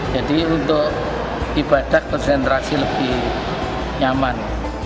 jadi untuk ibadah konsentrasi lebih nyaman